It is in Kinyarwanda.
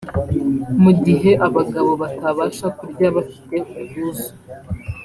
mu gihe abagabo batabasha kurya bafite ubwuzu